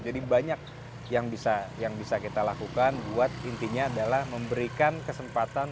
jadi banyak yang bisa kita lakukan buat intinya adalah memberikan kesempatan